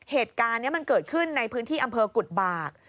เหตุการณ์นี้มันเกิดขึ้นในพื้นที่อำเภอกุฎบาก